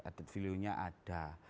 adat filunya ada